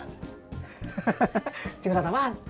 hahaha curhat apaan